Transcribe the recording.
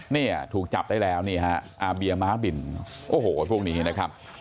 เนี่ยถูกจับได้แล้วนี่ฮะอาเบียม้าบินโอ้โหพวกนี้นะครับ